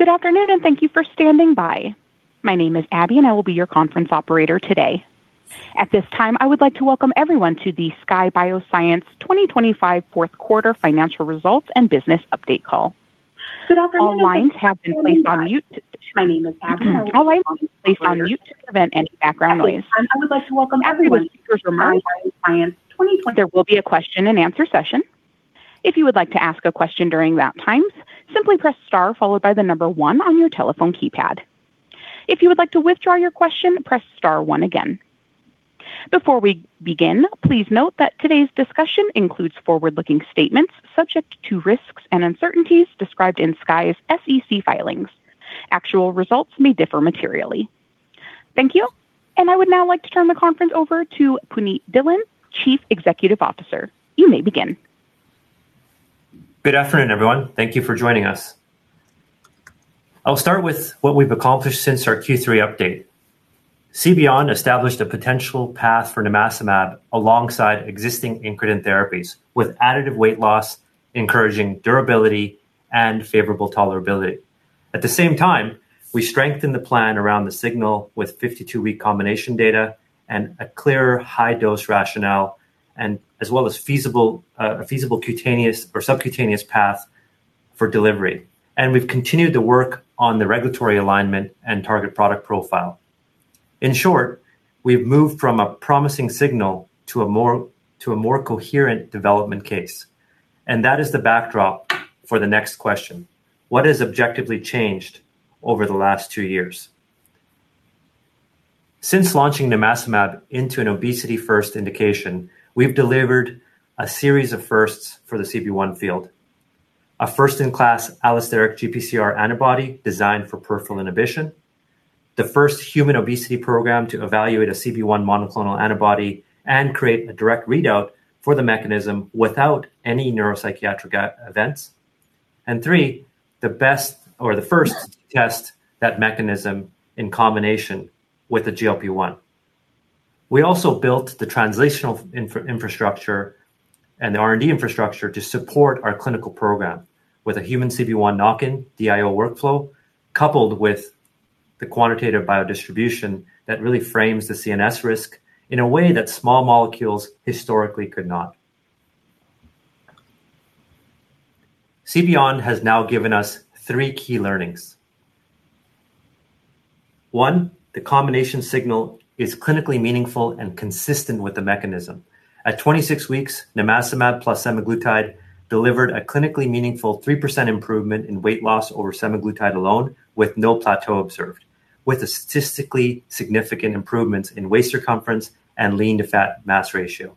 Good afternoon, and thank you for standing by. My name is Abby, and I will be your conference operator today. At this time, I would like to welcome everyone to the Skye Bioscience 2025 fourth quarter financial results and business update call. Good afternoon. All lines have been placed on mute. My name is Abby. All lines have been placed on mute to prevent any background noise. I would like to welcome everyone. There will be a question and answer session. If you would like to ask a question during that time, simply press star followed by the number one on your telephone keypad. If you would like to withdraw your question, press star one again. Before we begin, please note that today's discussion includes forward-looking statements subject to risks and uncertainties described in Sky's SEC filings. Actual results may differ materially. Thank you. I would now like to turn the conference over to Punit Dhillon, Chief Executive Officer. You may begin. Good afternoon, everyone. Thank you for joining us. I'll start with what we've accomplished since our Q3 update. CBeyond established a potential path for nimacimab alongside existing incretin therapies with additive weight loss, encouraging durability, and favorable tolerability. At the same time, we strengthened the plan around the signal with 52-week combination data and a clearer high dose rationale and as well as a feasible cutaneous or subcutaneous path for delivery. We've continued to work on the regulatory alignment and target product profile. In short, we've moved from a promising signal to a more coherent development case. That is the backdrop for the next question. What has objectively changed over the last two years? Since launching nimacimab into an obesity first indication, we've delivered a series of firsts for the CB1 field. A first-in-class allosteric GPCR antibody designed for peripheral inhibition, the first human obesity program to evaluate a CB1 monoclonal antibody and create a direct readout for the mechanism without any neuropsychiatric events, and three, the best or the first to test that mechanism in combination with the GLP-1. We also built the translational infrastructure and the R&D infrastructure to support our clinical program with a human CB1 knock-in DIO workflow, coupled with the quantitative biodistribution that really frames the CNS risk in a way that small molecules historically could not. CBeyond has now given us three key learnings. One, the combination signal is clinically meaningful and consistent with the mechanism. At 26 weeks, nimacimab plus semaglutide delivered a clinically meaningful 3% improvement in weight loss over semaglutide alone, with no plateau observed, with statistically significant improvements in waist circumference and lean to fat mass ratio.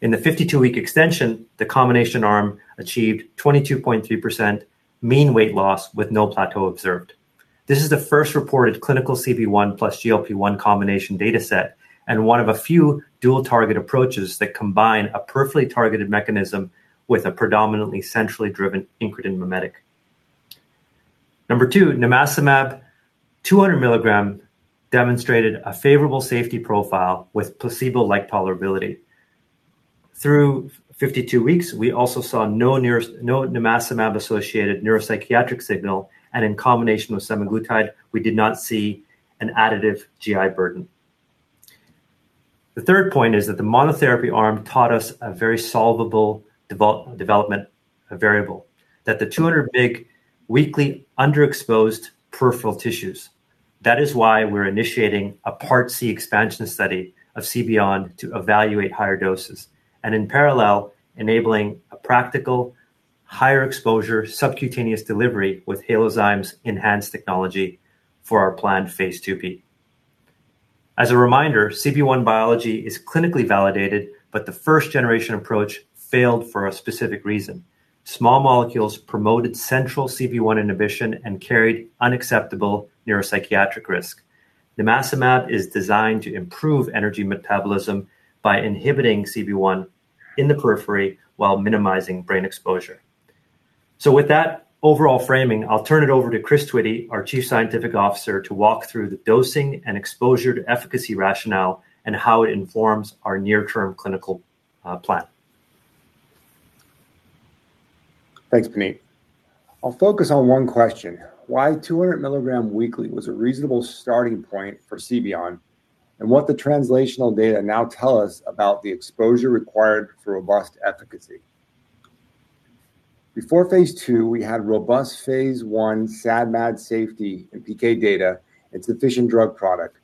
In the 52-week extension, the combination arm achieved 22.3% mean weight loss with no plateau observed. This is the first reported clinical CB1 + GLP-1 combination data set and one of a few dual target approaches that combine a peripherally targeted mechanism with a predominantly centrally driven incretin mimetic. Number two, nimacimab 200 mg demonstrated a favorable safety profile with placebo-like tolerability. Through 52 weeks, we also saw no nimacimab-associated neuropsychiatric signal, and in combination with semaglutide, we did not see an additive GI burden. The third point is that the monotherapy arm taught us a very solvable development variable, that the 200 mg weekly underexposed peripheral tissues. That is why we're initiating a Part C expansion study of CBeyond to evaluate higher doses, and in parallel, enabling a practical higher exposure subcutaneous delivery with Halozyme's ENHANZE technology for our planned phase IIb. As a reminder, CB1 biology is clinically validated, but the first generation approach failed for a specific reason. Small molecules promoted central CB1 inhibition and carried unacceptable neuropsychiatric risk. Nimacimab is designed to improve energy metabolism by inhibiting CB1 in the periphery while minimizing brain exposure. With that overall framing, I'll turn it over to Chris Twitty, our Chief Scientific Officer, to walk through the dosing and exposure to efficacy rationale and how it informs our near-term clinical plan. Thanks, Punit. I'll focus on one question. Why 200 mg weekly was a reasonable starting point for CBeyond, and what the translational data now tell us about the exposure required for robust efficacy. Before phase II, we had robust phase I SAD/MAD safety and PK data and sufficient drug product.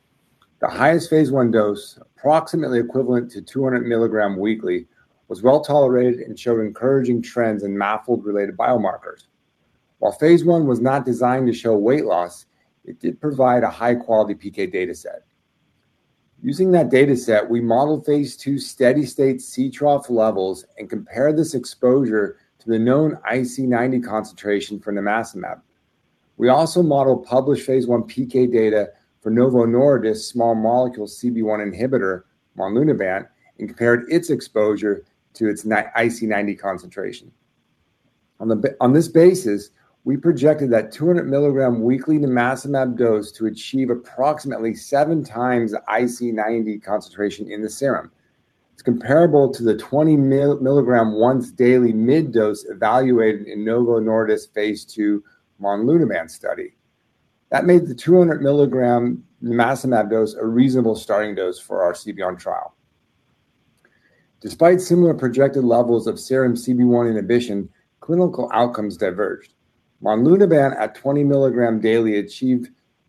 The highest phase I dose, approximately equivalent to 200 mg weekly, was well tolerated and showed encouraging trends in MAFLD-related biomarkers. While phase I was not designed to show weight loss, it did provide a high-quality PK data set. Using that data set, we modeled phase II steady-state Ctrough levels and compared this exposure to the known IC90 concentration for nimacimab. We also modeled published phase I PK data for Novo Nordisk small molecule CB1 inhibitor, monlunabant, and compared its exposure to its IC90 concentration. On this basis, we projected that 200 mg weekly nimacimab dose to achieve approximately seven times the IC90 concentration in the serum. It's comparable to the 20 mg once daily mid dose evaluated in Novo Nordisk phase II monlunabant study. That made the 200 mg nimacimab dose a reasonable starting dose for our CBeyond trial. Despite similar projected levels of serum CB1 inhibition, clinical outcomes diverged. Monlunabant at 20 mg daily achieved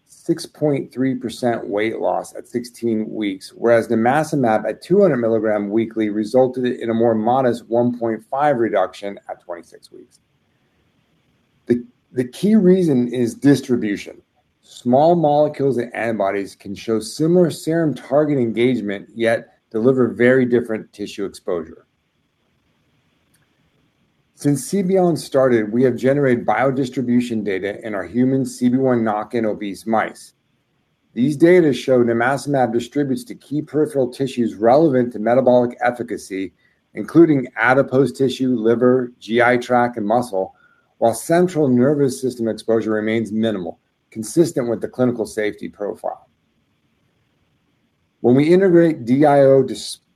6.3% weight loss at 16 weeks, whereas nimacimab at 200 mg weekly resulted in a more modest 1.5% reduction at 26 weeks. The key reason is distribution. Small molecules and antibodies can show similar serum target engagement, yet deliver very different tissue exposure. Since CBeyond started, we have generated biodistribution data in our human CB1 knock-in obese mice. These data show nimacimab distributes to key peripheral tissues relevant to metabolic efficacy, including adipose tissue, liver, GI tract, and muscle, while central nervous system exposure remains minimal, consistent with the clinical safety profile. When we integrate DIO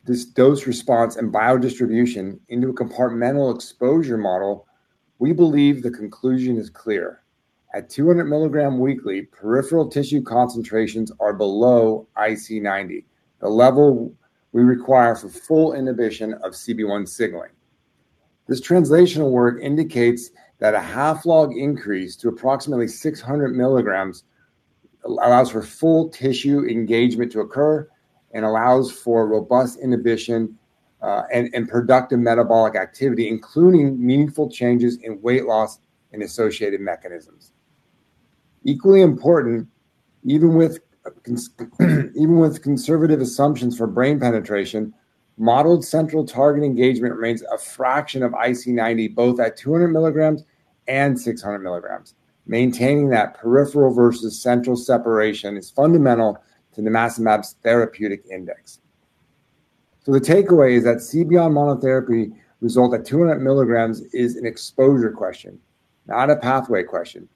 dose-response and biodistribution into a compartmental exposure model, we believe the conclusion is clear. At 200 mg weekly, peripheral tissue concentrations are below IC90, the level we require for full inhibition of CB1 signaling. This translational work indicates that a half log increase to approximately 600mgs allows for full tissue engagement to occur and allows for robust inhibition and productive metabolic activity, including meaningful changes in weight loss and associated mechanisms. Equally important, even with conservative assumptions for brain penetration, modeled central target engagement remains a fraction of IC90, both at 200mgs and 600mgs. Maintaining that peripheral versus central separation is fundamental to nimacimab's therapeutic index. The takeaway is that CB1 monotherapy result at 200mgs is an exposure question, not a pathway question.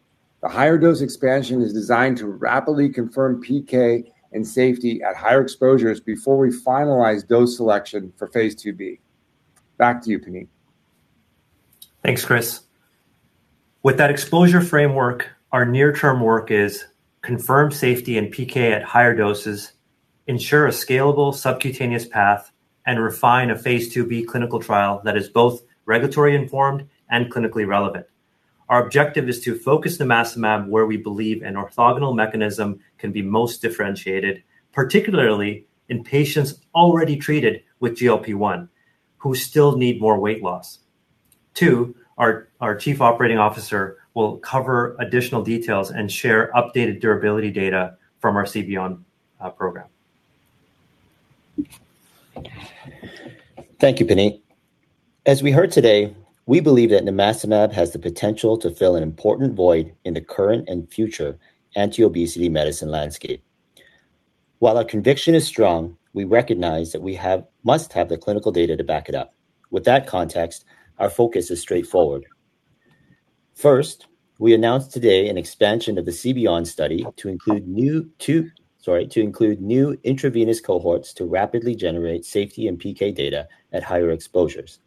The higher dose expansion is designed to rapidly confirm PK and safety at higher exposures before we finalize dose selection for phase IIb. Back to you, Punit. Thanks, Chris. With that exposure framework, our near-term work is confirm safety and PK at higher doses, ensure a scalable subcutaneous path, and refine a phase IIb clinical trial that is both regulatory informed and clinically relevant. Our objective is to focus nimacimab where we believe an orthogonal mechanism can be most differentiated, particularly in patients already treated with GLP-1 who still need more weight loss. Tu, our chief operating officer will cover additional details and share updated durability data from our CBeyond program. Thank you, Punit. As we heard today, we believe that nimacimab has the potential to fill an important void in the current and future anti-obesity medicine landscape. While our conviction is strong, we recognize that we must have the clinical data to back it up. With that context, our focus is straightforward. First, we announced today an expansion of the CBeyond study to include new intravenous cohorts to rapidly generate safety and PK data at higher exposures,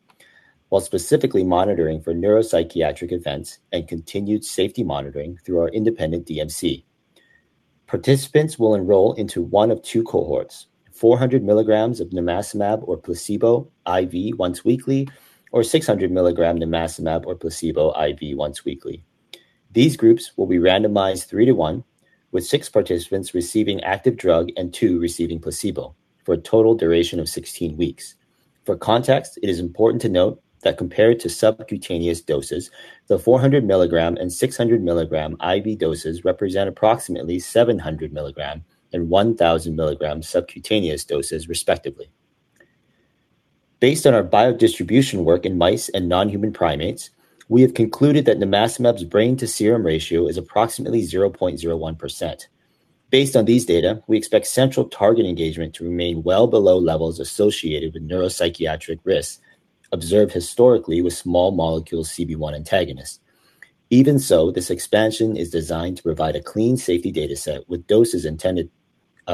while specifically monitoring for neuropsychiatric events and continued safety monitoring through our independent DMC. Participants will enroll into one of two cohorts, 400mgs of nimacimab or placebo IV once weekly, or 600 mg nimacimab or placebo IV once weekly. These groups will be randomized 3-to-1, with six participants receiving active drug and two receiving placebo for a total duration of 16 weeks. For context, it is important to note that compared to subcutaneous doses, the 400 mg and 600 mg IV doses represent approximately 700 mg and 1,000 mg subcutaneous doses respectively. Based on our biodistribution work in mice and non-human primates, we have concluded that nimacimab's brain to serum ratio is approximately 0.01%. Based on these data, we expect central target engagement to remain well below levels associated with neuropsychiatric risks observed historically with small molecule CB1 antagonists. Even so, this expansion is designed to provide a clean safety data set with doses intended,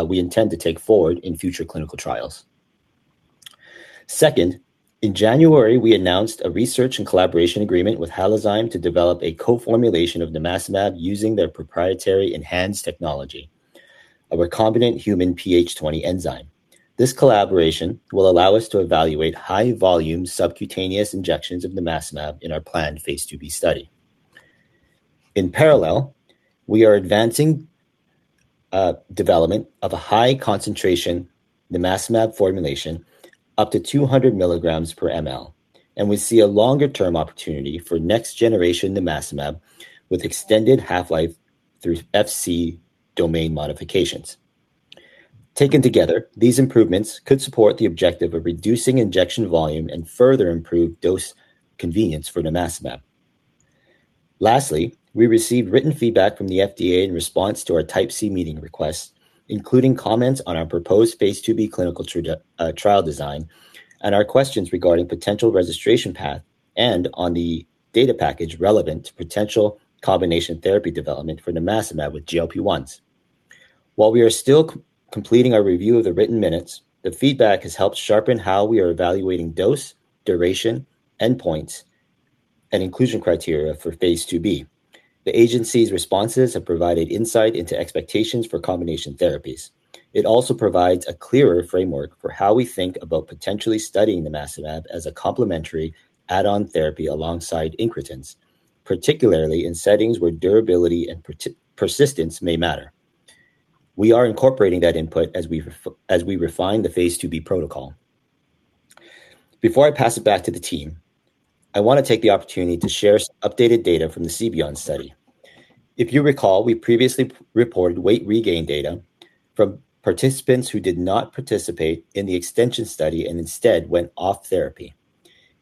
we intend to take forward in future clinical trials. Second, in January, we announced a research and collaboration agreement with Halozyme to develop a co-formulation of nimacimab using their proprietary ENHANZE technology, a recombinant human PH20 enzyme. This collaboration will allow us to evaluate high volume subcutaneous injections of nimacimab in our planned phase IIb study. In parallel, we are advancing development of a high concentration nimacimab formulation up to 200mgs per mL, and we see a longer-term opportunity for next generation nimacimab with extended half-life through Fc domain modifications. Taken together, these improvements could support the objective of reducing injection volume and further improve dose convenience for nimacimab. Lastly, we received written feedback from the FDA in response to our Type C meeting request, including comments on our proposed phase IIb clinical trial design and our questions regarding potential registration path and on the data package relevant to potential combination therapy development for nimacimab with GLP-1s. While we are still completing our review of the written minutes, the feedback has helped sharpen how we are evaluating dose, duration, endpoints, and inclusion criteria for phase IIb. The agency's responses have provided insight into expectations for combination therapies. It also provides a clearer framework for how we think about potentially studying the nimacimab as a complementary add-on therapy alongside incretins, particularly in settings where durability and per-persistence may matter. We are incorporating that input as we refine the phase IIb protocol. Before I pass it back to the team, I want to take the opportunity to share updated data from the CBeyond study. If you recall, we previously reported weight regain data from participants who did not participate in the extension study and instead went off therapy.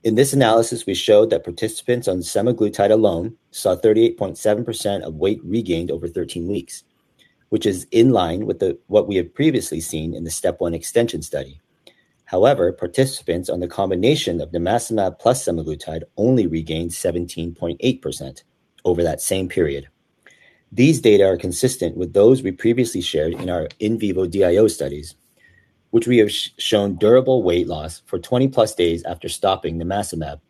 In this analysis, we showed that participants on semaglutide alone saw 38.7% of weight regained over 13 weeks, which is in line with what we have previously seen in the STEP 1 extension study. However, participants on the combination of nimacimab plus semaglutide only regained 17.8% over that same period. These data are consistent with those we previously shared in our in vivo DIO studies, which we have shown durable weight loss for 20+ days after stopping nimacimab.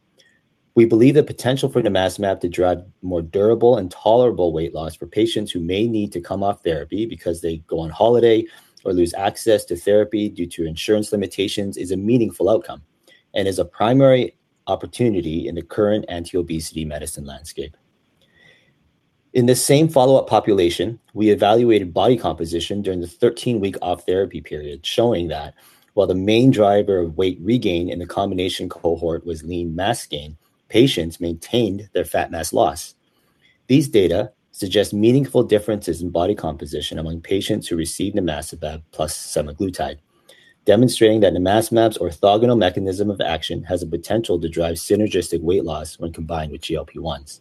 We believe the potential for nimacimab to drive more durable and tolerable weight loss for patients who may need to come off therapy because they go on holiday or lose access to therapy due to insurance limitations is a meaningful outcome and is a primary opportunity in the current anti-obesity medicine landscape. In the same follow-up population, we evaluated body composition during the 13-week off-therapy period, showing that while the main driver of weight regain in the combination cohort was lean mass gain, patients maintained their fat mass loss. These data suggest meaningful differences in body composition among patients who received nimacimab plus semaglutide, demonstrating that nimacimab's orthogonal mechanism of action has the potential to drive synergistic weight loss when combined with GLP-1s.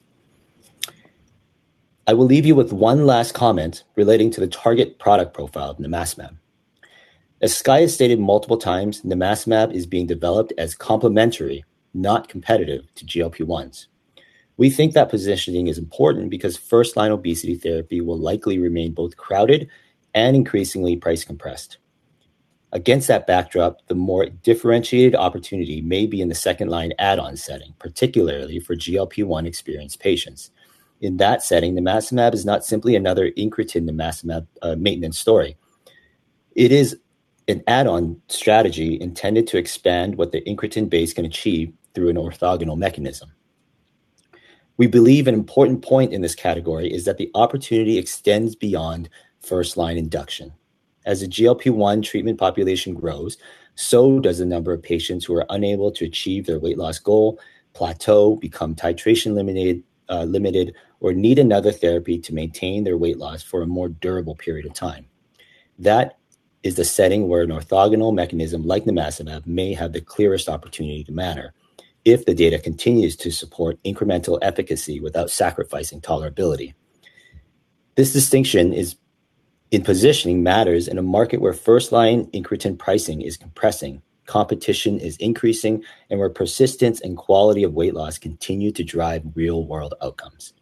I will leave you with one last comment relating to the target product profile of nimacimab. As Skye has stated multiple times, nimacimab is being developed as complementary, not competitive, to GLP-1s. We think that positioning is important because first-line obesity therapy will likely remain both crowded and increasingly price-compressed. Against that backdrop, the more differentiated opportunity may be in the second-line add-on setting, particularly for GLP-1-experienced patients. In that setting, nimacimab is not simply another incretin nimacimab maintenance story. It is an add-on strategy intended to expand what the incretin base can achieve through an orthogonal mechanism. We believe an important point in this category is that the opportunity extends beyond first-line induction. As the GLP-1 treatment population grows, so does the number of patients who are unable to achieve their weight loss goal, plateau, become titration limited, or need another therapy to maintain their weight loss for a more durable period of time. That is the setting where an orthogonal mechanism like nimacimab may have the clearest opportunity to matter if the data continues to support incremental efficacy without sacrificing tolerability. This distinction is in positioning matters in a market where first-line incretin pricing is compressing, competition is increasing, and where persistence and quality of weight loss continue to drive real-world outcomes.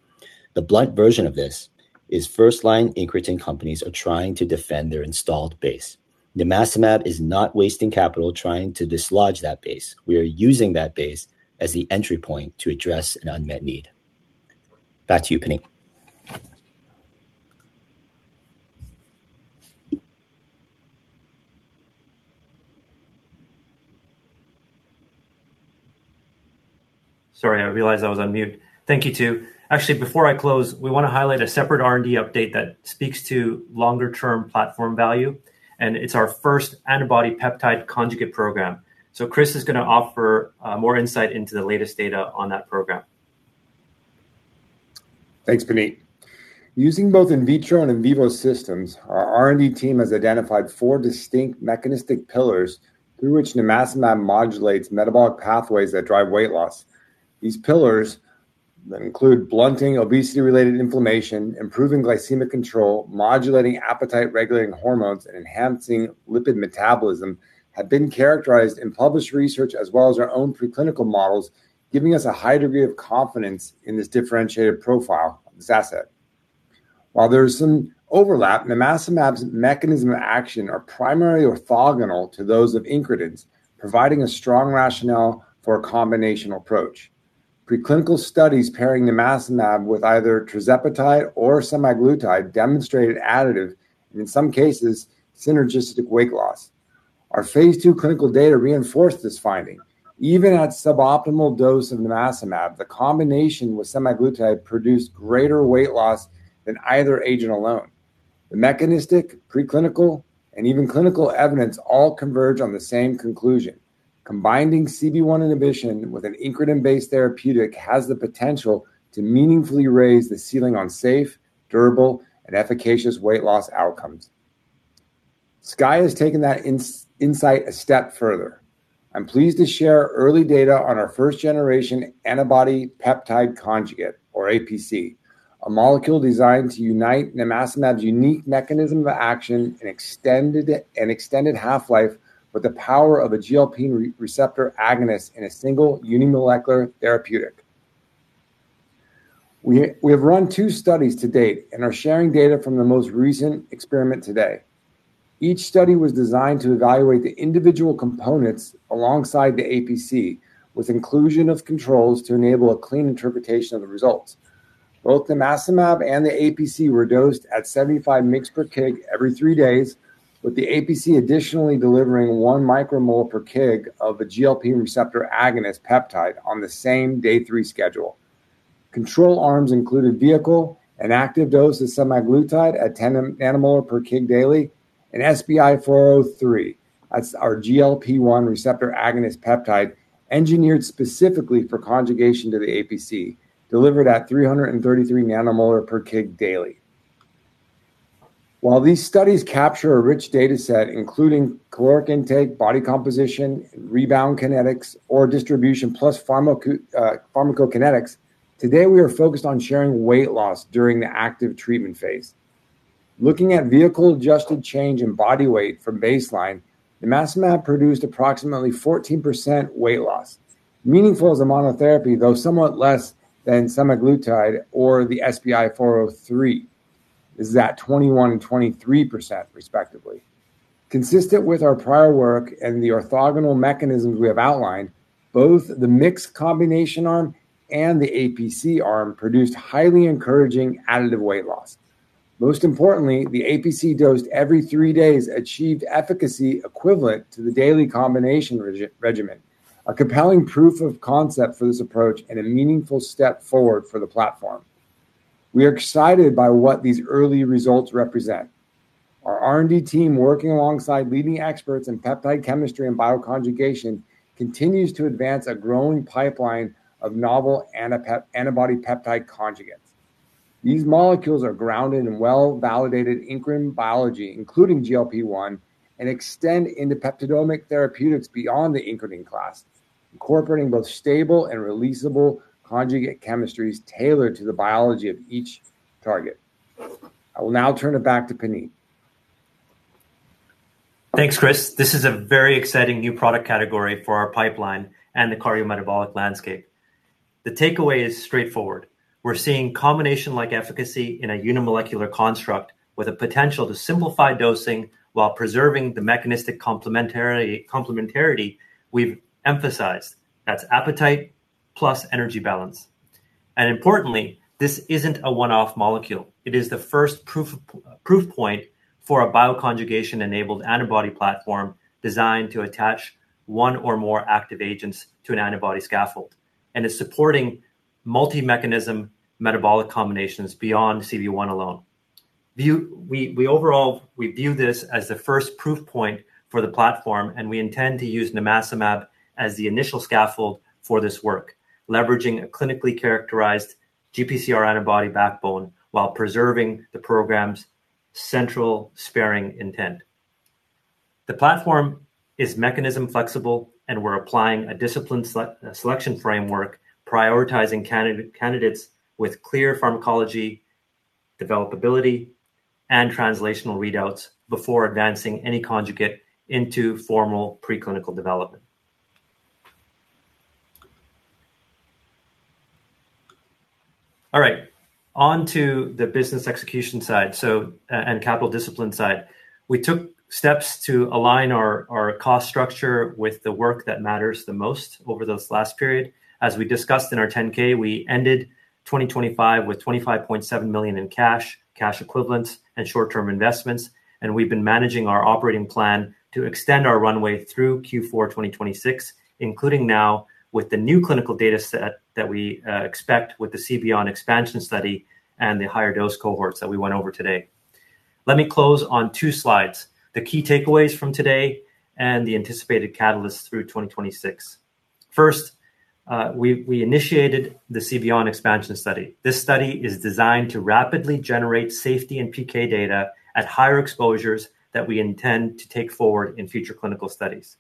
The blunt version of this is first-line incretin companies are trying to defend their installed base. Nimacimab is not wasting capital trying to dislodge that base. We are using that base as the entry point to address an unmet need. Back to you, Punit. Sorry, I realized I was on mute. Thank you, Tu. Actually, before I close, we want to highlight a separate R&D update that speaks to longer-term platform value, and it's our first antibody peptide conjugate program. Chris is going to offer more insight into the latest data on that program. Thanks, Punit. Using both in vitro and in vivo systems, our R&D team has identified four distinct mechanistic pillars through which nimacimab modulates metabolic pathways that drive weight loss. These pillars that include blunting obesity-related inflammation, improving glycemic control, modulating appetite-regulating hormones, and enhancing lipid metabolism, have been characterized in published research as well as our own preclinical models, giving us a high degree of confidence in this differentiated profile of this asset. While there is some overlap, nimacimab's mechanism of action are primarily orthogonal to those of incretins, providing a strong rationale for a combination approach. Preclinical studies pairing nimacimab with either tirzepatide or semaglutide demonstrated additive, and in some cases, synergistic weight loss. Our phase two clinical data reinforced this finding. Even at suboptimal dose of nimacimab, the combination with semaglutide produced greater weight loss than either agent alone. The mechanistic, preclinical, and even clinical evidence all converge on the same conclusion. Combining CB1 inhibition with an incretin-based therapeutic has the potential to meaningfully raise the ceiling on safe, durable, and efficacious weight loss outcomes. Sky has taken that insight a step further. I'm pleased to share early data on our first-generation antibody peptide conjugate, or APC, a molecule designed to unite nimacimab's unique mechanism of action and extended half-life with the power of a GLP-1 receptor agonist in a single unimolecular therapeutic. We have run two studies to date and are sharing data from the most recent experiment today. Each study was designed to evaluate the individual components alongside the APC, with inclusion of controls to enable a clean interpretation of the results. Both the nimacimab and the APC were dosed at 75 mg per kg every three days, with the APC additionally delivering 1 micromole per kg of a GLP-one receptor agonist peptide on the same three-day schedule. Control arms included vehicle, an active dose of semaglutide at 10 nanomolar per kg daily, and SBI-403, that's our GLP-1 receptor agonist peptide, engineered specifically for conjugation to the APC, delivered at 333 nanomolar per kg daily. While these studies capture a rich data set, including caloric intake, body composition, rebound kinetics, or distribution plus pharmacokinetics, today we are focused on sharing weight loss during the active treatment phase. Looking at vehicle-adjusted change in body weight from baseline, the nimacimab produced approximately 14% weight loss. Meaningful as a monotherapy, though somewhat less than semaglutide or the SBI-403, is that 21% and 23% respectively. Consistent with our prior work and the orthogonal mechanisms we have outlined, both the mixed combination arm and the APC arm produced highly encouraging additive weight loss. Most importantly, the APC dosed every three days achieved efficacy equivalent to the daily combination regimen, a compelling proof of concept for this approach and a meaningful step forward for the platform. We are excited by what these early results represent. Our R&D team, working alongside leading experts in peptide chemistry and bioconjugation, continues to advance a growing pipeline of novel antibody-peptide conjugates. These molecules are grounded in well-validated incretin biology, including GLP-1, and extend into peptidomimetic therapeutics beyond the incretin class, incorporating both stable and releasable conjugate chemistries tailored to the biology of each target. I will now turn it back to Punit. Thanks, Chris. This is a very exciting new product category for our pipeline and the cardiometabolic landscape. The takeaway is straightforward. We're seeing combination-like efficacy in a unimolecular construct with a potential to simplify dosing while preserving the mechanistic complementarity we've emphasized. That's appetite plus energy balance. And importantly, this isn't a one-off molecule. It is the first proof point for a bioconjugation-enabled antibody platform designed to attach one or more active agents to an antibody scaffold, and is supporting multi-mechanism metabolic combinations beyond CV one alone. We overall view this as the first proof point for the platform, and we intend to use nimacimab as the initial scaffold for this work, leveraging a clinically characterized GPCR antibody backbone while preserving the program's central sparing intent. The platform is mechanism-flexible, and we're applying a discipline selection framework prioritizing candidates with clear pharmacology, developability, and translational readouts before advancing any conjugate into formal preclinical development. All right, on to the business execution side and capital discipline side. We took steps to align our cost structure with the work that matters the most over this last period. As we discussed in our 10-K, we ended 2025 with $25.7 million in cash equivalents, and short-term investments, and we've been managing our operating plan to extend our runway through Q4 2026, including now with the new clinical data set that we expect with the CBeyond expansion study and the higher dose cohorts that we went over today. Let me close on two slides, the key takeaways from today and the anticipated catalysts through 2026. First, we initiated the CBeyond expansion study. This study is designed to rapidly generate safety and PK data at higher exposures that we intend to take forward in future clinical studies.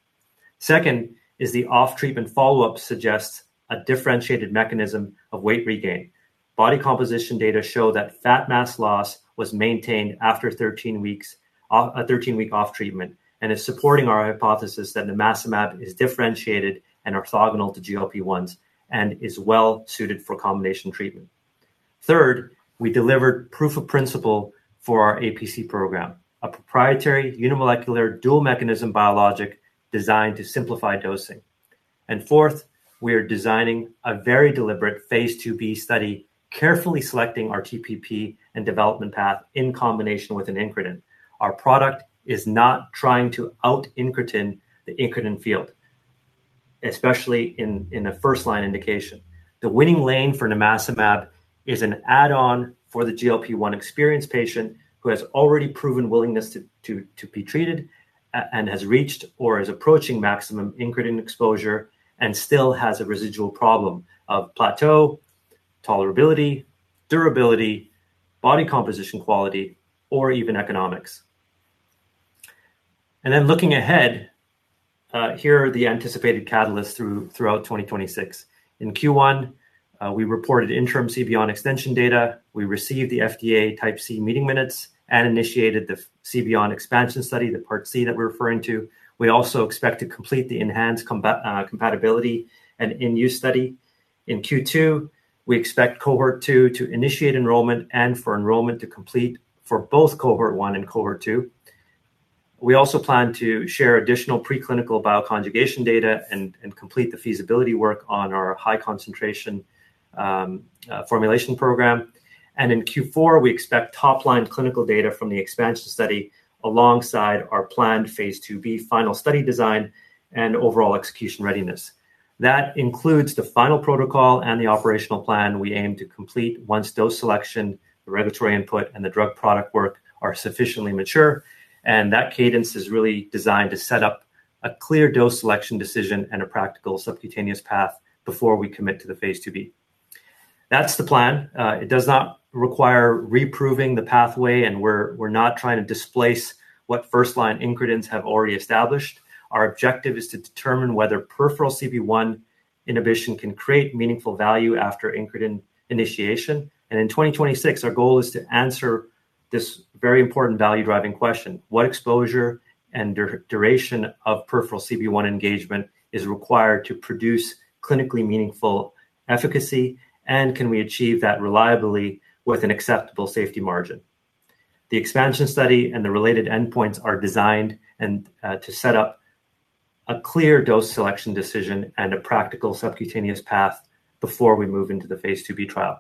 Second is the off-treatment follow-up suggests a differentiated mechanism of weight regain. Body composition data show that fat mass loss was maintained after a 13-week off treatment and is supporting our hypothesis that nimacimab is differentiated and orthogonal to GLP-1s and is well-suited for combination treatment. Third, we delivered proof of principle for our APC program, a proprietary unimolecular dual-mechanism biologic designed to simplify dosing. Fourth, we are designing a very deliberate Phase IIb study, carefully selecting our TPP and development path in combination with an incretin. Our product is not trying to out-incretin the incretin field, especially in a first-line indication. The winning lane for nimacimab is an add-on for the GLP-1 experienced patient who has already proven willingness to be treated and has reached or is approaching maximum incretin exposure and still has a residual problem of plateau, tolerability, durability, body composition quality, or even economics. Then looking ahead, here are the anticipated catalysts throughout 2026. In Q1, we reported interim CBeyond extension data. We received the FDA Type C meeting minutes and initiated the CBeyond expansion study, the Part C that we're referring to. We also expect to complete the ENHANZE compatibility and in-use study. In Q2, we expect cohort two to initiate enrollment and for enrollment to complete for both cohort one and cohort two. We also plan to share additional preclinical bioconjugation data and complete the feasibility work on our high concentration formulation program. In Q4, we expect top-line clinical data from the expansion study alongside our planned phase IIb final study design and overall execution readiness. That includes the final protocol and the operational plan we aim to complete once dose selection, the regulatory input, and the drug product work are sufficiently mature. That cadence is really designed to set up a clear dose selection decision and a practical subcutaneous path before we commit to the phase IIb. That's the plan. It does not require reproving the pathway, and we're not trying to displace what first-line incretins have already established. Our objective is to determine whether peripheral CB1 inhibition can create meaningful value after incretin initiation. In 2026, our goal is to answer this very important value-driving question, what exposure and duration of peripheral CB1 engagement is required to produce clinically meaningful efficacy, and can we achieve that reliably with an acceptable safety margin? The expansion study and the related endpoints are designed to set up a clear dose selection decision and a practical subcutaneous path before we move into the phase IIb trial.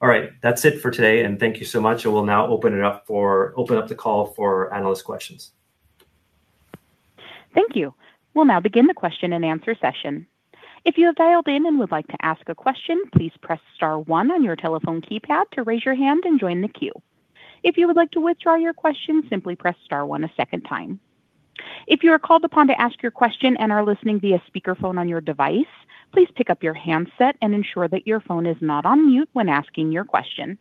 All right, that's it for today, and thank you so much, and we'll now open up the call for analyst questions. Thank you. We'll now begin the question and answer session. If you have dialed in and would like to ask a question, please press star one on your telephone keypad to raise your hand and join the queue. If you would like to withdraw your question, simply press star one a second time. If you are called upon to ask your question and are listening via speakerphone on your device, please pick up your handset and ensure that your phone is not on mute when asking your question.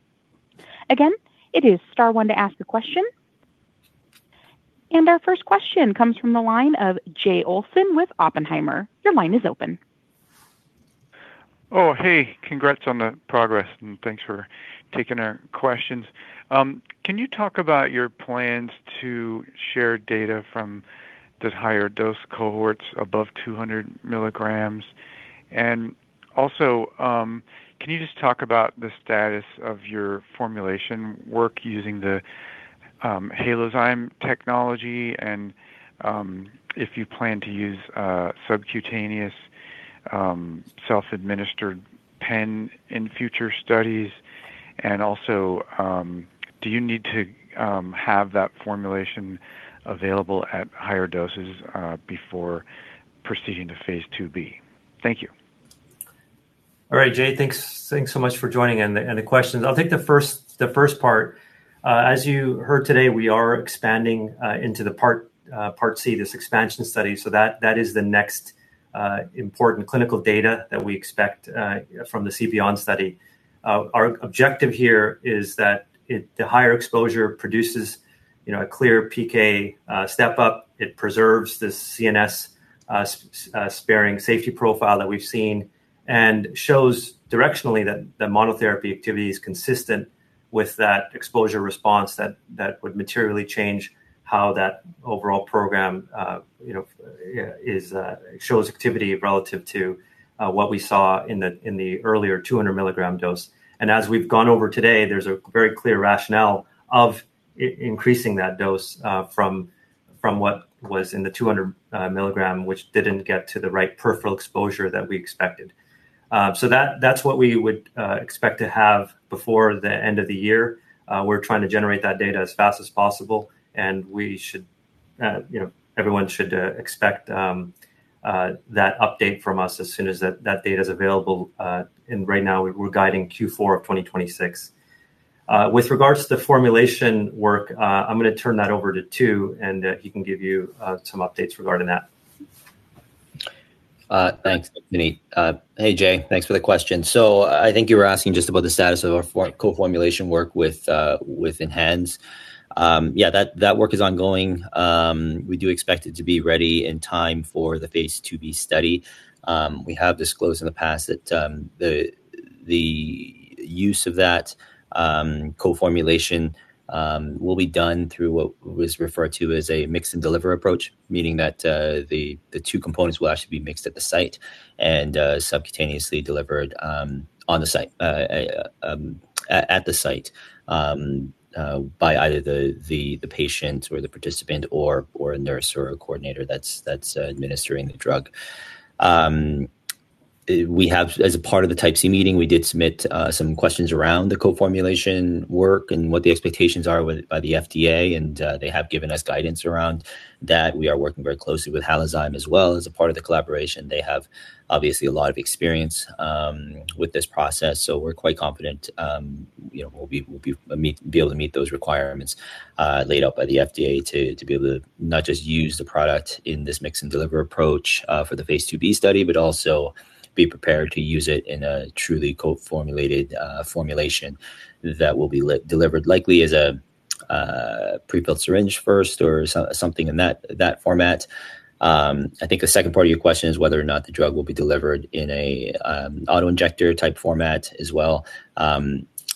Again, it is star one to ask a question. Our first question comes from the line of Jay Olson with Oppenheimer. Your line is open. Oh, hey. Congrats on the progress, and thanks for taking our questions. Can you talk about your plans to share data from the higher dose cohorts above 200mgs? Also, can you just talk about the status of your formulation work using the Halozyme technology and if you plan to use a subcutaneous self-administered pen in future studies? Also, do you need to have that formulation available at higher doses before proceeding to phase IIb? Thank you. All right, Jay. Thanks so much for joining and the questions. I'll take the first part. As you heard today, we are expanding into the Part C expansion study, so that is the next important clinical data that we expect from the CBeyond study. Our objective here is that the higher exposure produces, you know, a clear PK step-up. It preserves the CNS sparing safety profile that we've seen and shows directionally that the monotherapy activity is consistent with that exposure response that would materially change how that overall program, you know, shows activity relative to what we saw in the earlier 200 mg dose. As we've gone over today, there's a very clear rationale of increasing that dose from what was in the 200 mg, which didn't get to the right peripheral exposure that we expected. So that's what we would expect to have before the end of the year. We're trying to generate that data as fast as possible, and we should, you know, everyone should expect that update from us as soon as that data is available. Right now we're guiding Q4 of 2026. With regards to the formulation work, I'm gonna turn that over to Tu, and he can give you some updates regarding that. Thanks, Punit. Hey, Jay. Thanks for the question. I think you were asking just about the status of our co-formulation work with ENHANZE. Yeah, that work is ongoing. We do expect it to be ready in time for the phase IIb study. We have disclosed in the past that the use of that co-formulation will be done through what was referred to as a mix-and-deliver approach, meaning that the two components will actually be mixed at the site and subcutaneously delivered at the site by either the patient or the participant or a nurse or a coordinator that's administering the drug. We have As a part of the Type C meeting, we did submit some questions around the co-formulation work and what the expectations are with the FDA, and they have given us guidance around that. We are working very closely with Halozyme as well as a part of the collaboration. They have obviously a lot of experience with this process, so we're quite confident, you know, we'll be able to meet those requirements laid out by the FDA to be able to not just use the product in this mix and deliver approach for the phase IIb study, but also be prepared to use it in a truly co-formulated formulation that will be likely delivered as a prefilled syringe first or something in that format. I think the second part of your question is whether or not the drug will be delivered in a, auto-injector type format as well.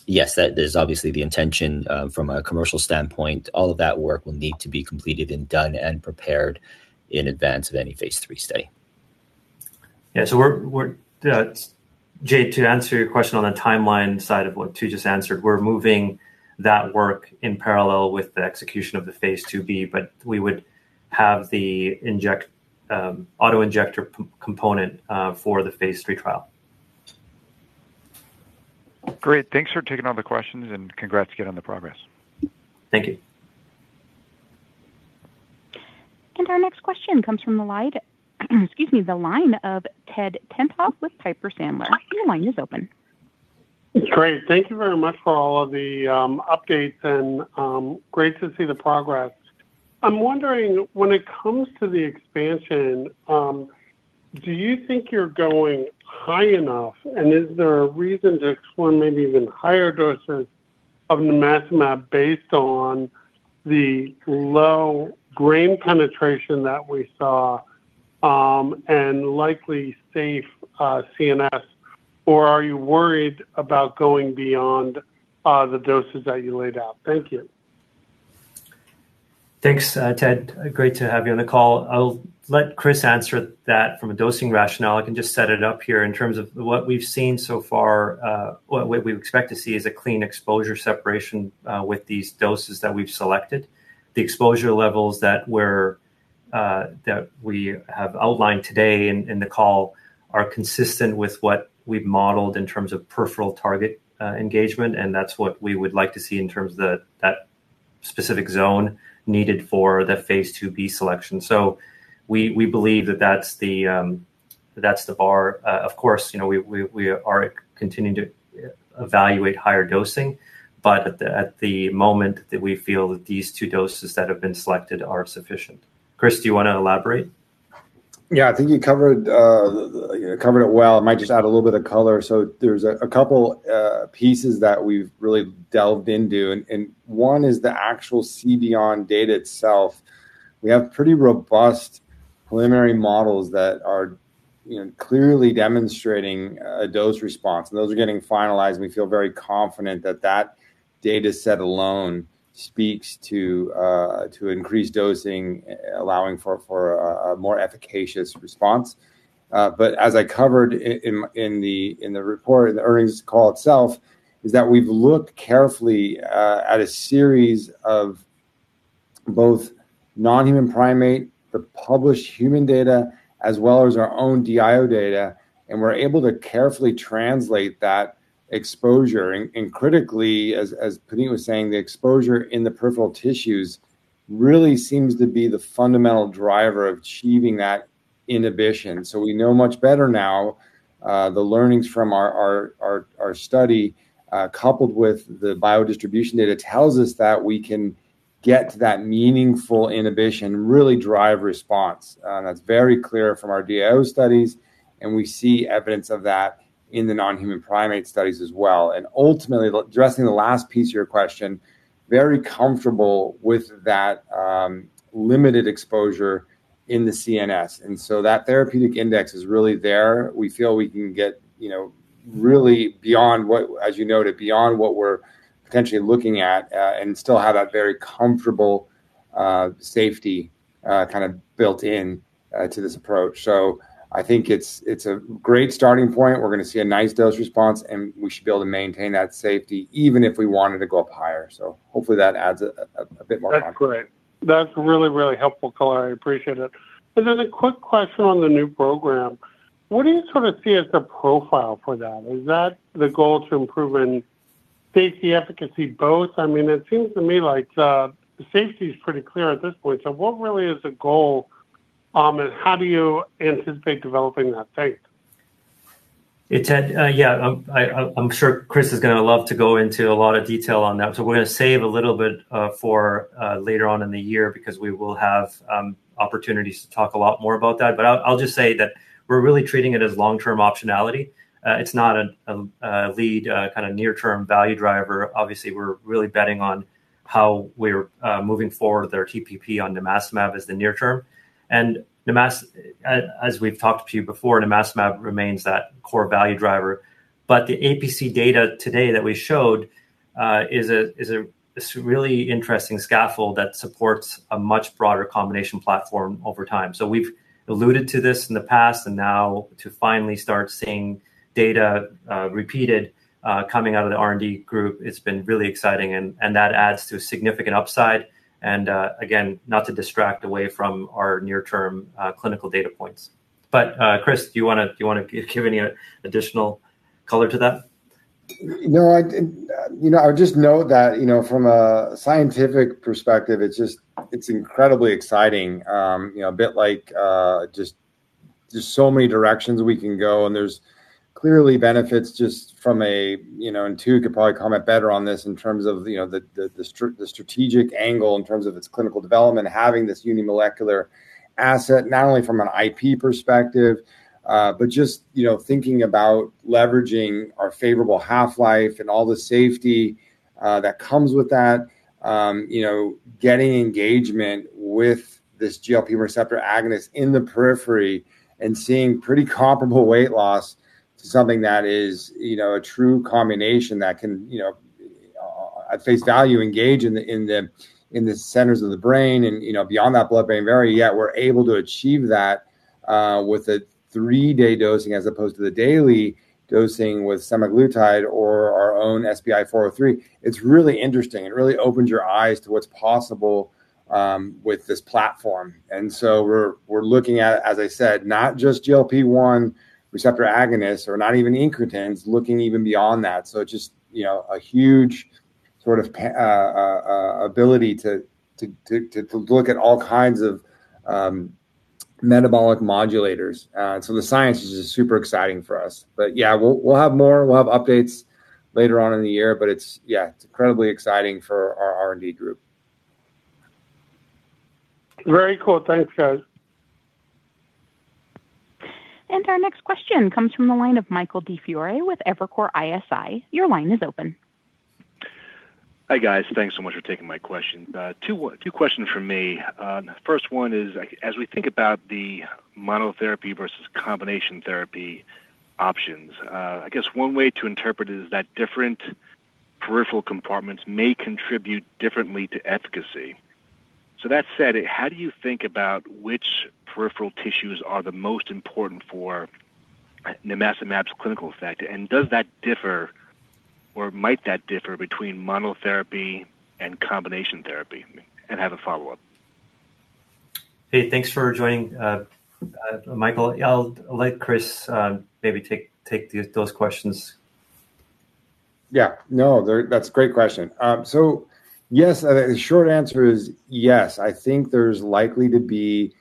Yes, that is obviously the intention, from a commercial standpoint. All of that work will need to be completed and done and prepared in advance of any phase III study. Jay, to answer your question on the timeline side of what Tu just answered, we're moving that work in parallel with the execution of the phase IIb, but we would have the auto-injector component for the phase III trial. Great. Thanks for taking all the questions, and congrats again on the progress. Thank you. Our next question comes from the line of Ted Tenthoff with Piper Sandler. Your line is open. Great. Thank you very much for all of the updates, and great to see the progress. I'm wondering, when it comes to the expansion, do you think you're going high enough? Is there a reason to explore maybe even higher doses of nimacimab based on the low brain penetration that we saw, and likely safe CNS, or are you worried about going beyond the doses that you laid out? Thank you. Thanks, Ted. Great to have you on the call. I'll let Chris answer that from a dosing rationale. I can just set it up here. In terms of what we've seen so far, what we expect to see is a clean exposure separation with these doses that we've selected. The exposure levels that we have outlined today in the call are consistent with what we've modeled in terms of peripheral target engagement, and that's what we would like to see in terms of that specific zone needed for the phase IIb selection. We believe that that's the bar. Of course, you know, we are continuing to evaluate higher dosing, but at the moment that we feel that these two doses that have been selected are sufficient. Chris, do you wanna elaborate? I think you covered it well. I might just add a little bit of color. There's a couple pieces that we've really delved into, and one is the actual CBeyond data itself. We have pretty robust preliminary models that are clearly demonstrating a dose response, and those are getting finalized, and we feel very confident that that data set alone speaks to increased dosing, allowing for a more efficacious response. As I covered in the report, in the earnings call itself, we've looked carefully at a series of both non-human primate, the published human data, as well as our own DIO data, and we're able to carefully translate that exposure. Critically, as Punit was saying, the exposure in the peripheral tissues really seems to be the fundamental driver of achieving that inhibition. We know much better now, the learnings from our study, coupled with the biodistribution data, tells us that we can get to that meaningful inhibition, really drive response. That's very clear from our DIO studies, and we see evidence of that in the non-human primate studies as well. Ultimately, addressing the last piece of your question, very comfortable with that, limited exposure in the CNS. That therapeutic index is really there. We feel we can get, you know, really beyond what, as you noted, beyond what we're potentially looking at, and still have that very comfortable, safety kind of built in, to this approach. I think it's a great starting point. We're gonna see a nice dose response, and we should be able to maintain that safety even if we wanted to go up higher. Hopefully that adds a bit more context. That's great. That's really, really helpful color. I appreciate it. A quick question on the new program. What do you sort of see as the profile for that? Is that the goal to improve in safety, efficacy, both? I mean, it seems to me like, the safety is pretty clear at this point. What really is the goal, and how do you anticipate developing that space? Hey, Ted. Yeah, I'm sure Chris is gonna love to go into a lot of detail on that, so we're gonna save a little bit for later on in the year because we will have opportunities to talk a lot more about that. I'll just say that we're really treating it as long-term optionality. It's not a lead kind of near-term value driver. Obviously, we're really betting on how we're moving forward with our TPP on nimacimab as the near term. As we've talked to you before, nimacimab remains that core value driver. The APC data today that we showed is really interesting scaffold that supports a much broader combination platform over time. We've alluded to this in the past, and now to finally start seeing data, repeated, coming out of the R&D group, it's been really exciting and that adds to a significant upside. Again, not to distract away from our near-term, clinical data points. Chris, do you wanna give any additional color to that? No, you know, I would just note that, you know, from a scientific perspective, it's just it's incredibly exciting. You know, a bit like, just there's so many directions we can go, and there's clearly benefits just from a, you know. Tu could probably comment better on this in terms of, you know, the strategic angle in terms of its clinical development, having this unimolecular asset, not only from an IP perspective, but just, you know, thinking about leveraging our favorable half-life and all the safety that comes with that. You know, getting engagement with this GLP-1 receptor agonist in the periphery and seeing pretty comparable weight loss to something that is, you know, a true combination that can, you know. At face value, engage in the centers of the brain and, you know, beyond that blood-brain barrier, yet we're able to achieve that with a three-day dosing as opposed to the daily dosing with semaglutide or our own SBI 403. It's really interesting. It really opens your eyes to what's possible with this platform. We're looking at, as I said, not just GLP-1 receptor agonists or not even incretins, looking even beyond that. Just, you know, a huge sort of ability to look at all kinds of metabolic modulators. The science is just super exciting for us. Yeah, we'll have more. We'll have updates later on in the year, but it's, yeah, it's incredibly exciting for our R&D group. Very cool. Thanks, guys. Our next question comes from the line of Michael DiFiore with Evercore ISI. Your line is open. Hi, guys. Thanks so much for taking my question. Two questions from me. The first one is, as we think about the monotherapy versus combination therapy options, I guess one way to interpret it is that different peripheral compartments may contribute differently to efficacy. That said, how do you think about which peripheral tissues are the most important for nimacimab's clinical effect? And does that differ, or might that differ between monotherapy and combination therapy? I have a follow-up. Hey, thanks for joining, Michael. I'll let Chris maybe take those questions. Yeah. That's a great question. Yes. The short answer is yes. I think there's likely to be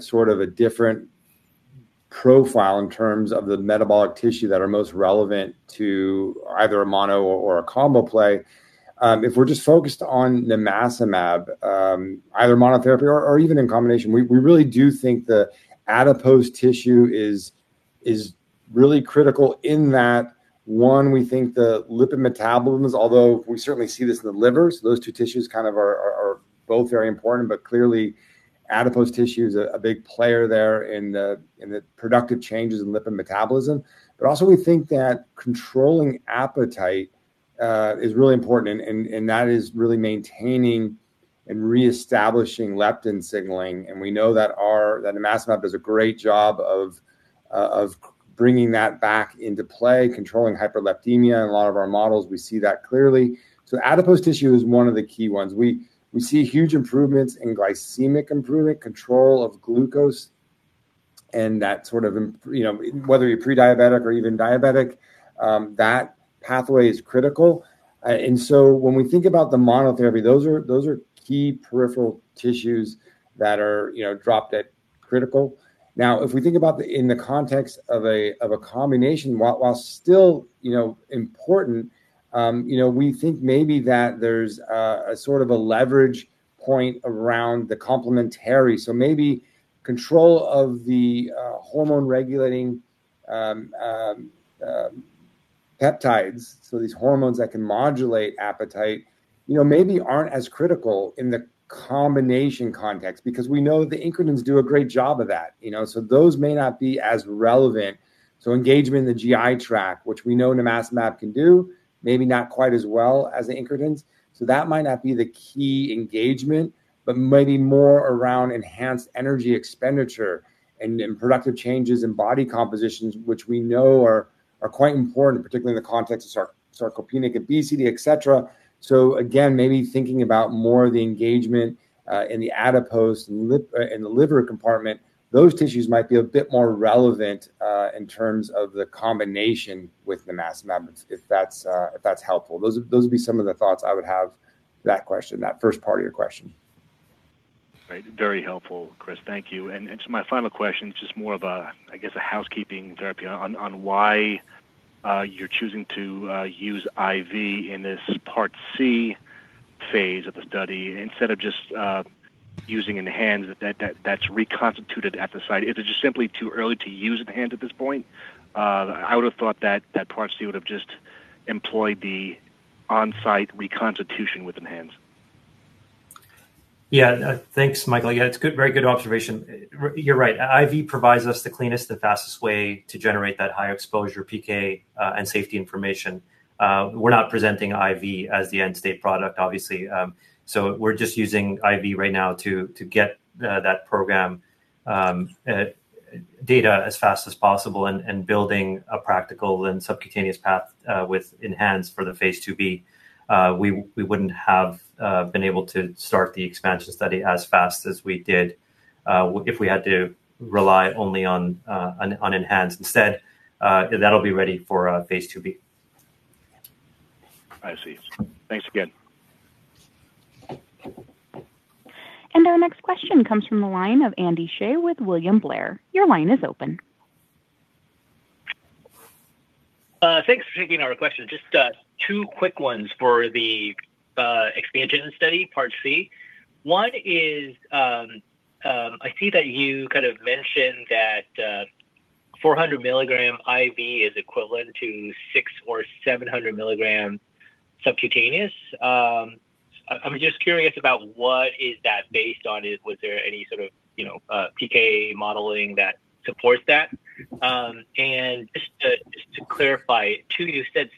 sort of a different profile in terms of the metabolic tissue that are most relevant to either a mono or a combo play. If we're just focused on nimacimab, either monotherapy or even in combination, we really do think the adipose tissue is really critical in that, one, we think the lipid metabolism, although we certainly see this in the liver, so those two tissues kind of are both very important. Clearly, adipose tissue is a big player there in the productive changes in lipid metabolism. Also, we think that controlling appetite is really important, and that is really maintaining and reestablishing leptin signaling. We know that our that nimacimab does a great job of bringing that back into play, controlling hyperleptinemia. In a lot of our models, we see that clearly. Adipose tissue is one of the key ones. We see huge improvements in glycemic improvement, control of glucose, and that sort of. You know, whether you're pre-diabetic or even diabetic, that pathway is critical. When we think about the monotherapy, those are key peripheral tissues that are, you know, important, critical. Now, if we think about in the context of a combination, while still, you know, important, you know, we think maybe that there's a sort of a leverage point around the complementary. Maybe control of the hormone-regulating peptides, so these hormones that can modulate appetite, you know, maybe aren't as critical in the combination context because we know the incretins do a great job of that. You know? Those may not be as relevant. Engagement in the GI tract, which we know nimacimab can do, maybe not quite as well as the incretins. That might not be the key engagement, but maybe more around ENHANZE energy expenditure and productive changes in body compositions, which we know are quite important, particularly in the context of sarcopenic obesity, et cetera. Again, maybe thinking about more the engagement in the adipose and in the liver compartment, those tissues might be a bit more relevant in terms of the combination with nimacimab, if that's helpful. Those would be some of the thoughts I would have to that question, that first part of your question. Great. Very helpful, Chris. Thank you. My final question is just more of a, I guess, a housekeeping query on why you're choosing to use IV in this Part C phase of the study instead of just using ENHANZE that's reconstituted at the site. Is it just simply too early to use ENHANZE at this point? I would have thought that Part C would have just employed the on-site reconstitution with ENHANZE. Yeah. Thanks, Michael. Yeah, it's a good, very good observation. You're right. IV provides us the cleanest and fastest way to generate that high exposure PK and safety information. We're not presenting IV as the end-state product, obviously. We're just using IV right now to get that program data as fast as possible and building a practical and subcutaneous path with ENHANZE for the Phase IIb. We wouldn't have been able to start the expansion study as fast as we did if we had to rely only on ENHANZE instead. That'll be ready for Phase IIb. I see. Thanks again. Our next question comes from the line of Andy Hsieh with William Blair. Your line is open. Thanks for taking our question. Just two quick ones for the expansion study, Part C. One is, I see that you kind of mentioned that 400 mg IV is equivalent to 600 or 700 mg subcutaneous. I'm just curious about what is that based on? Was there any sort of, you know, PK modeling that supports that? And just to clarify, Tu, you said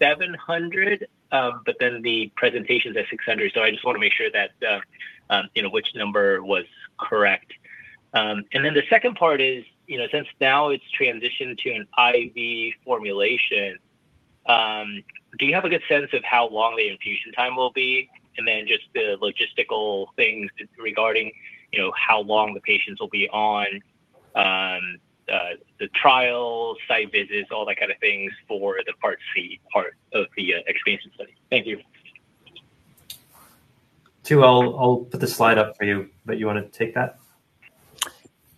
700, but then the presentations are 600. So I just wanna make sure that, you know, which number was correct. And then the second part is, you know, since now it's transitioned to an IV formulation, do you have a good sense of how long the infusion time will be? And then just the logistical things regarding, you know, how long the patients will be on the trial site visits, all that kind of things for the Part C part of the expansion study. Thank you. Tu, I'll put the slide up for you, but you wanna take that?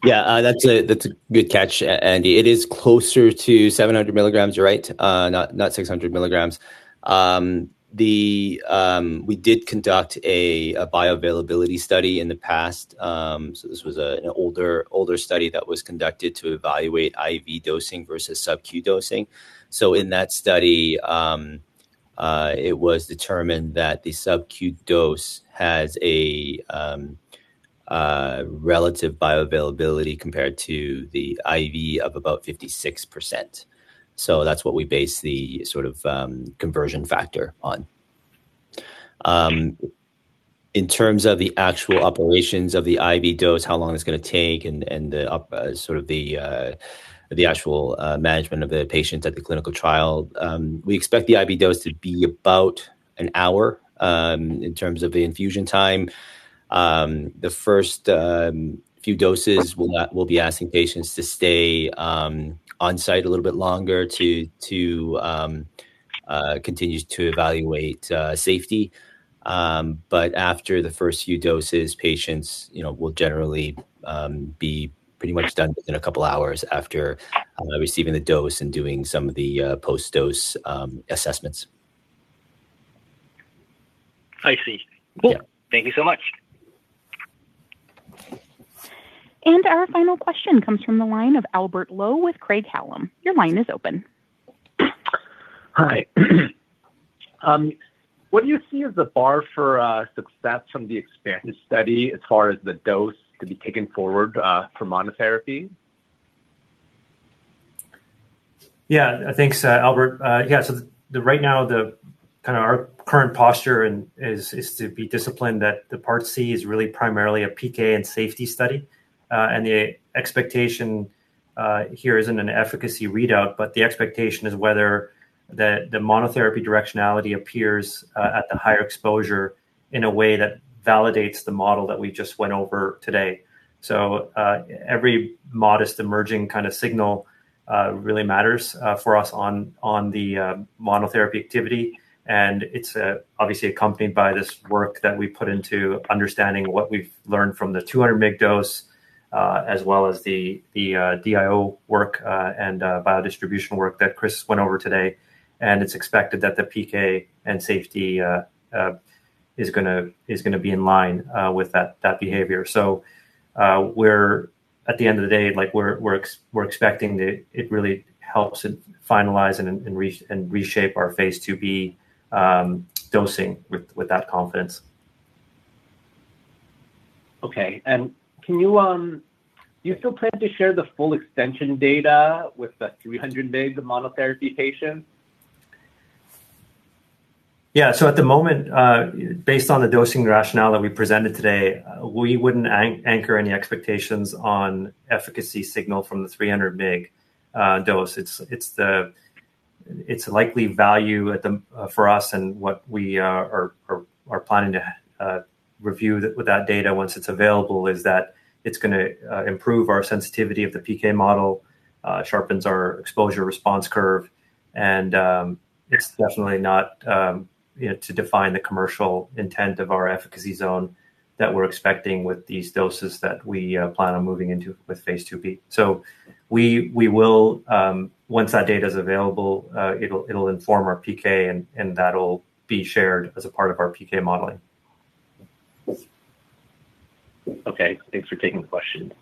Yeah. That's a good catch, Andy. It is closer to 700mgs, you're right, not 600mgs. We did conduct a bioavailability study in the past. This was an older study that was conducted to evaluate IV dosing versus sub-Q dosing. In that study, it was determined that the sub-Q dose has relative bioavailability compared to the IV of about 56%. That's what we base the sort of conversion factor on. In terms of the actual operations of the IV dose, how long it's gonna take and the sort of management of the patients at the clinical trial, we expect the IV dose to be about an hour in terms of the infusion time. The first few doses, we'll be asking patients to stay on site a little bit longer to continue to evaluate safety. After the first few doses, patients, you know, will generally be pretty much done within a couple hours after receiving the dose and doing some of the post-dose assessments. I see. Yeah. Cool. Thank you so much. Our final question comes from the line of Albert Lowe with Craig-Hallum. Your line is open. Hi. What do you see as the bar for success from the expanded study as far as the dose to be taken forward for monotherapy? Yeah. Thanks, Albert. Right now, kinda our current posture is to be disciplined that the Part C is really primarily a PK and safety study. The expectation here isn't an efficacy readout, but the expectation is whether the monotherapy directionality appears at the higher exposure in a way that validates the model that we just went over today. Every modest emerging kind of signal really matters for us on the monotherapy activity. It's obviously accompanied by this work that we put into understanding what we've learned from the 200 mg dose, as well as the DIO work and biodistribution work that Chris went over today. It's expected that the PK and safety is gonna be in line with that behavior. At the end of the day, like we're expecting that it really helps finalize and reshape our Phase IIb dosing with that confidence. Do you still plan to share the full extension data with the 300 mg monotherapy patients? Yeah. At the moment, based on the dosing rationale that we presented today, we wouldn't anchor any expectations on efficacy signal from the 300 mg dose. It's the likely value for us and what we are planning to review with that data once it's available is that it's gonna improve our sensitivity of the PK model, sharpens our exposure response curve, and it's definitely not, you know, to define the commercial intent of our efficacy zone that we're expecting with these doses that we plan on moving into with Phase IIb. We will, once that data is available, it'll inform our PK and that'll be shared as a part of our PK modeling. Okay. Thanks for taking the question.